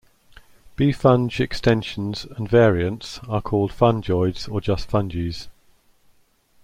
Befunge-extensions and variants are called "Fungeoids" or just "Funges".